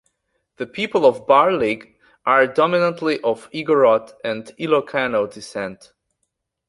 The people of Barlig are dominantly of Igorot and Ilocano descent.